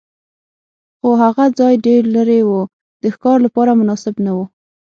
خو هغه ځای ډېر لرې و، د ښکار لپاره مناسب نه و.